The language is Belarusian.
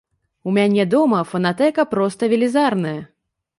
У мяне дома фанатэка проста велізарная!